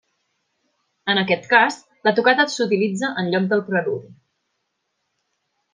En aquest cas, la tocata s'utilitza en lloc del preludi.